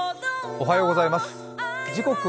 おはようございます。